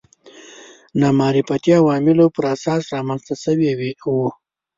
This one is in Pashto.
نامعرفتي عواملو پر اساس رامنځته شوي وو